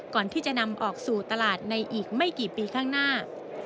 ก่อนที่จะนำออกสู่ตลาดในอีกไม่กี่ปีข้างหน้า